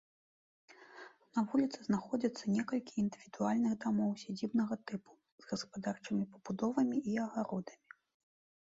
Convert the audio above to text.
На вуліцы знаходзяцца некалькі індывідуальных дамоў сядзібнага тыпу з гаспадарчымі пабудовамі і агародамі.